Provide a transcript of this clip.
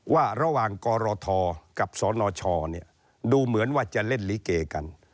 ว่าระหว่างกรทกับสนชดูเหมือนว่าจะเล่นลิเกกัน